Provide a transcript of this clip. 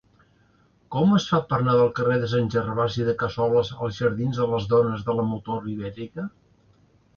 Com es fa per anar del carrer de Sant Gervasi de Cassoles als jardins de les Dones de la Motor Ibèrica?